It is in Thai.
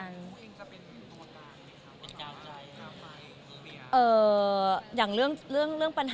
แต่ทุกคนเองก็เป็นตัวกลางเลยค่ะเป็นกำลังใจครับ